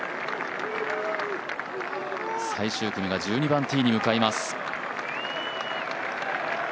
最終組が１２番ティーに向かいます。